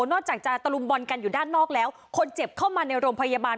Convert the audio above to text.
นอกจากจะตะลุมบอลกันอยู่ด้านนอกแล้วคนเจ็บเข้ามาในโรงพยาบาล